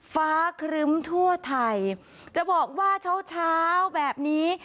ฟ้าครึ้มทั่วไทยจะบอกว่าเช้าเช้าแบบนี้